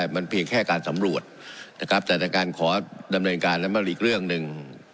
มันเพียงแค่การสำรวจนะครับแต่ในการขอดำเนินการแล้วมันอีกเรื่องหนึ่ง